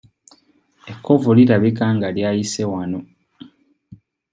Ekkovu lirabika nga lyayise wano.